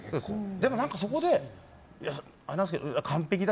でも、そこで完璧だ。